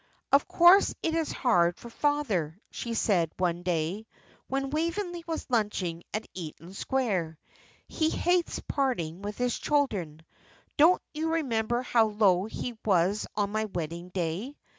"Of course it is hard for father," she said one day, when Waveney was lunching at Eaton Square. "He hates parting with his children. Don't you remember how low he was on my wedding day?